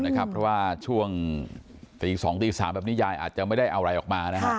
เพราะว่าช่วงตี๒ตี๓แบบนี้ยายอาจจะไม่ได้เอาอะไรออกมา